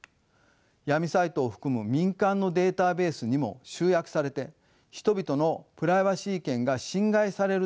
闇サイトを含む民間のデータベースにも集約されて人々のプライバシー権が侵害されるという事態を招きます。